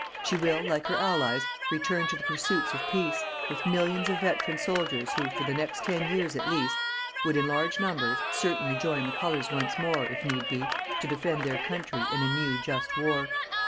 She will, like her Allies, return to the pursuits of peace, with millions of veteran soldiers who, for the next ten years at least, would, in large numbers, certainly join the Colours once more, if need be, to defend their country in a new just war.